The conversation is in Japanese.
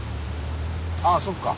ああそっか。